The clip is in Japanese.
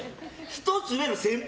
１つ上の先輩。